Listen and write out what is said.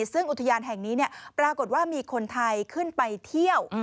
ซึ่งอุทยานแห่งนี้ปรากฏว่ามีคนไทยขึ้นไปเที่ยว